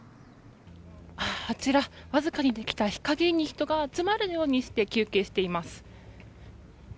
あちら、わずかにできた日陰に人が集まるようにして休憩しています。